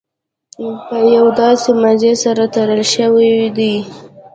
په یو داسې مزي سره تړل شوي دي.